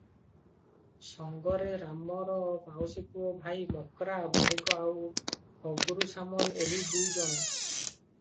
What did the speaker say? ସଙ୍ଗରେ ରାମର ମାଉସୀପୁଅ ଭାଇ ମକ୍ରା ବାରିକ ଆଉ ହଗ୍ରୁ ସାମଲ ଏହି ଦୁଇଜଣ ।